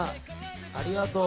ありがとう。